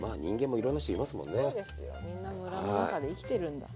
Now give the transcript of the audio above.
みんなムラの中で生きてるんだそう。